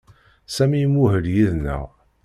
Sami imuhel yid-neɣ.